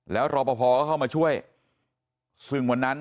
แล้วรอปภก็เข้ามาช่วยซึ่งวันนั้น